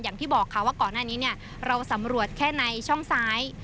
อย่างที่บอกว่าก่อนอันนี้เราสำรวจแค่ในช่องซ้าย